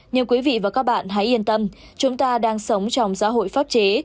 nhưng quý vị và các bạn hãy yên tâm chúng ta đang sống trong xã hội pháp chế